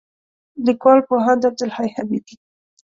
لیکوال: پوهاند عبدالحی حبیبي